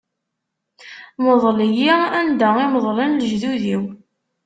Mḍel-iyi anda i meḍlen lejdud-iw.